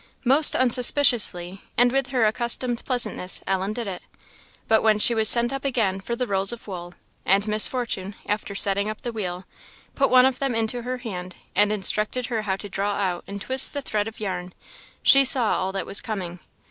Most unsuspiciously, and with her accustomed pleasantness, Ellen did it. But when she was sent up again for the rolls of wool, and Miss Fortune, after setting up the wheel, put one of them into her hand and instructed her how to draw out and twist the thread of yarn, she saw all that was coming.